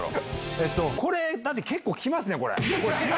えっと、これ、だって結構来ますね、これ。